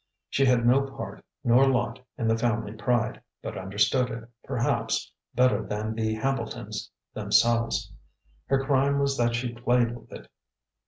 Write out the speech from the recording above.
She had no part nor lot in the family pride, but understood it, perhaps, better than the Hambletons themselves. Her crime was that she played with it.